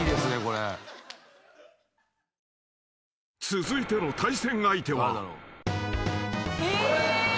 ［続いての対戦相手は］